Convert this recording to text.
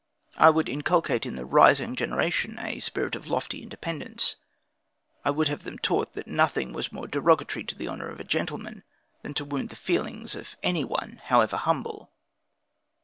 I would inculcate in the rising generation a spirit of lofty independence; I would have them taught that nothing was more derogatory to the honor of a gentleman, than to wound the feelings of any one, however humble.